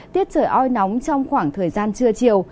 trời oi nóng trong khoảng thời gian trưa chiều